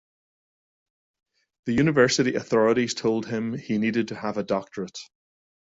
The university authorities told him he needed to have a doctorate.